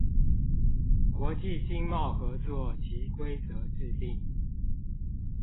國際經貿合作及規則制定